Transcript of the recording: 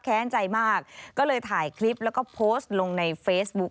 แค้นใจมากก็เลยถ่ายคลิปแล้วก็โพสต์ลงในเฟซบุ๊ค